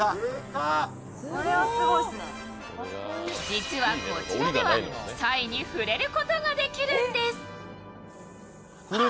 実はこちらでは、サイに触れることができるんです。